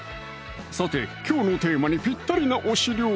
さてきょうのテーマにぴったりな推し料理